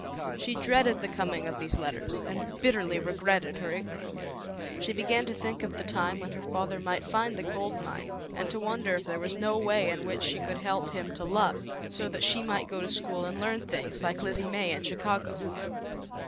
She dreaded the coming of these let ters, and bitterly regretted her ignorance. She began to think of the time when her father might find the gold mine, and to wonder if there was no way in which she could help him to luck, so that she 28 ZAUBERLINDA, THE WISE WITCH. might go to school and learn things, like Lizzie May, in Chicago.